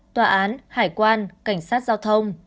tòa án hải quan cảnh sát giao thông